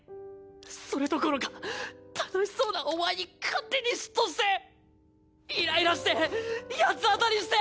それどころか楽しそうなお前に勝手に嫉妬してイライラして八つ当たりして。